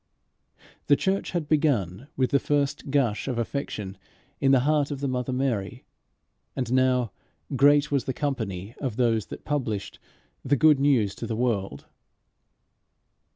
The church had begun with the first gush of affection in the heart of the mother Mary, and now "great was the company of those that published" the good news to the world.